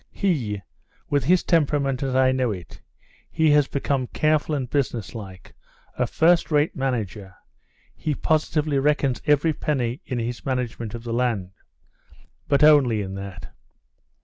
He—with his temperament as I know it—he has become careful and businesslike, a first rate manager, he positively reckons every penny in his management of the land. But only in that.